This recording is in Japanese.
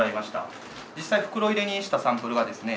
実際袋入れにしたサンプルはですね。